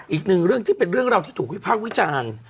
อีกหนึ่งเรื่องที่เป็นเรื่องราวที่ถูกวิพากษ์วิจารณ์